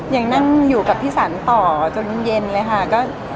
ยังนั่งอยู่กับพี่สันต่อจนเย็นเลยค่ะ